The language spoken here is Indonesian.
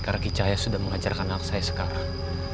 karena kicaya sudah mengajarkan anak saya sekarang